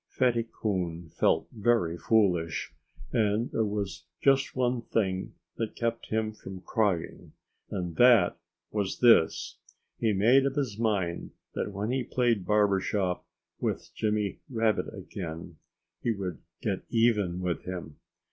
Fatty Coon felt very foolish. And there was just one thing that kept him from crying. And THAT was THIS: he made up his mind that when he played barber shop with Jimmy Rabbit again he would get even with him.